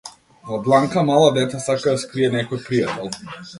Во дланка мала дете сака да скрие некој пријател.